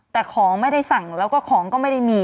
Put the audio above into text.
แต่ของไม่ได้สั่งแล้วก็ของก็ไม่ได้มี